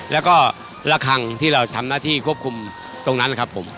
แล้วก็ระคังที่เราทำหน้าที่ควบคุมตรงนั้นครับผม